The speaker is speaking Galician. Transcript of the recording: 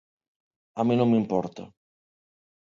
A min non me importa.